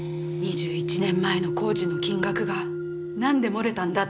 ２１年前の工事の金額が何で漏れたんだってこと。